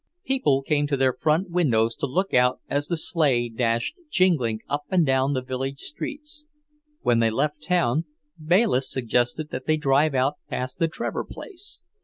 People came to their front windows to look out as the sleigh dashed jingling up and down the village streets. When they left town, Bayliss suggested that they drive out past the Trevor place.